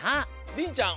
りんちゃん